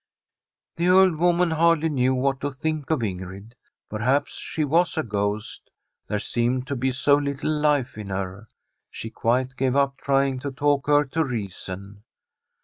The old woman hardly knew what to think of Ingrid. Perhaps she was a ghost ; there seemed to be so little life in her. She quite gave up trying to talk her to reason.